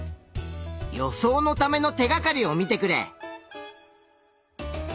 予想のための手がかりを見てくれ。